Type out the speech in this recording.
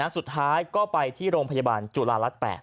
สุดท้ายก็ไปที่โรงพยาบาลจุฬารัฐ๘